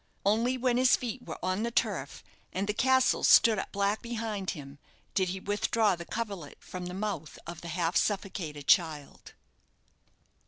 Only when his feet were on the turf, and the castle stood up black behind him, did he withdraw the coverlet from the mouth of the half suffocated child.